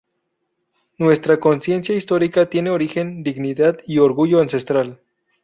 Nuestra conciencia histórica tiene origen, Dignidad y orgullo ancestral.